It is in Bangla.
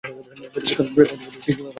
তোমার বেতন ঠিক সময় পাঠানোর ব্যবস্থা করব।